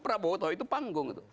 prabowo tahu itu panggung